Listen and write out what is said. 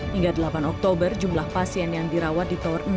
hingga delapan oktober jumlah pasien yang dirawat di tower enam